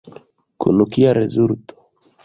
Kun kia rezulto?